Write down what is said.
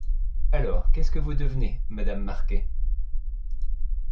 Alors qu’est-ce que vous devenez, Madame Marquet ?